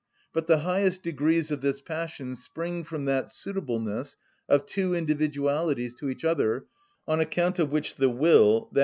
But the highest degrees of this passion spring from that suitableness of two individualities to each other on account of which the will, _i.